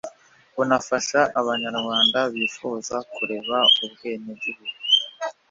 bunafasha abanyarwanda bifuza kureka ubwenegihugu